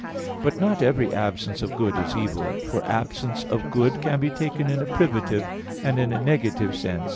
But not every absence of good is evil. For absence of good can be taken in a privative and in a negative sense.